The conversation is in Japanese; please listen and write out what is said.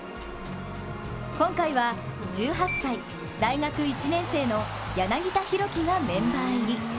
今回は１８歳、大学１年生の柳田大輝がメンバー入り。